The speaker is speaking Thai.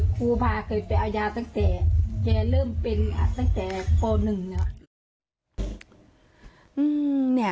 ครูภาคือไปเอายาตั้งแต่แกเริ่มเป็นตั้งแต่โป๊๑เนี่ย